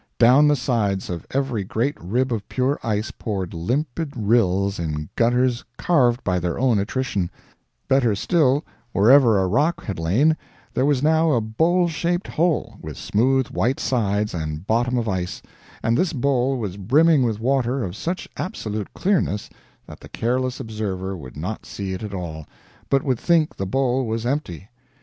Down the sides of every great rib of pure ice poured limpid rills in gutters carved by their own attrition; better still, wherever a rock had lain, there was now a bowl shaped hole, with smooth white sides and bottom of ice, and this bowl was brimming with water of such absolute clearness that the careless observer would not see it at all, but would think the bowl was empty.